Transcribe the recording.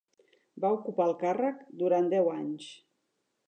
Va ocupar el càrrec durant deu anys.